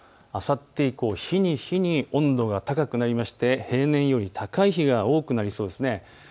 あさって以降、日に日に温度が高くなりまして平年より高い日が多くなりそうです。